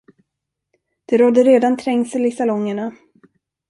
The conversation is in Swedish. Det rådde redan trängsel i salongerna.